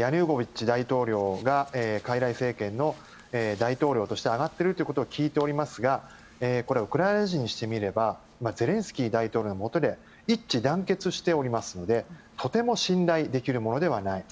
大統領が傀儡政権の大統領として挙がっていることを聞いていますがウクライナ人にしてみればゼレンスキー大統領のもとで一致団結しておりますのでとても信頼できるものではない。